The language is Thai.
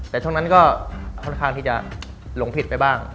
แต่ช่วงนั้นก็ค่อนข้างที่จะหลงผิดไปบ้าง